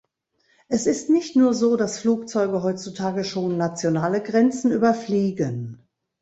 Es ist nicht nur so, dass Flugzeuge heutzutage schon nationale Grenzen überfliegen.